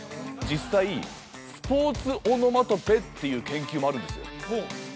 実際、スポーツオノマトペっていう研究もあるんですよ。